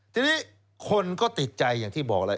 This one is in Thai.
ทีนี้คนก็ติดใจอย่างที่บอกแล้ว